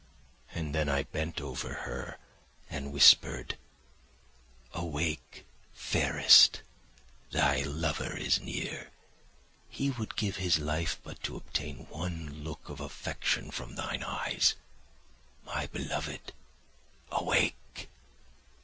And then I bent over her and whispered, 'Awake, fairest, thy lover is near—he who would give his life but to obtain one look of affection from thine eyes; my beloved, awake!